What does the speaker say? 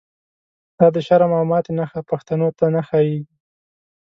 دا دشرم او ماتی نښی، پښتنوته نه ښاییږی